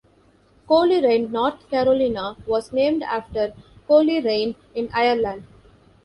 Colerain, North Carolina, was named after Coleraine in Ireland.